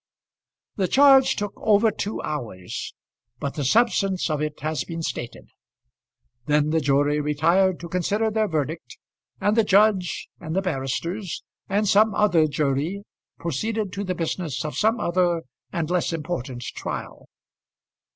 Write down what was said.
The charge took over two hours, but the substance of it has been stated. Then the jury retired to consider their verdict, and the judge, and the barristers, and some other jury proceeded to the business of some other and less important trial.